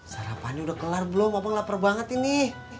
sarapannya udah kelar belum apa lapar banget ini